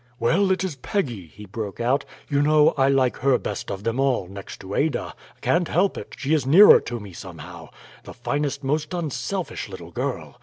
"Well, it is Peggy!" he broke out. "You know, I like her best of them all, next to Ada; can't help it. She is nearer to me, somehow. The finest, most unselfish little girl!